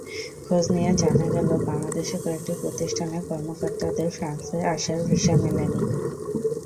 খোঁজ নিয়ে জানা গেল, বাংলাদেশের কয়েকটি প্রতিষ্ঠানের কর্মকর্তাদের ফ্রান্সে আসার ভিসা মেলেনি।